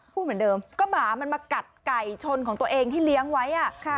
พูดเหมือนเดิมก็หมามันมากัดไก่ชนของตัวเองที่เลี้ยงไว้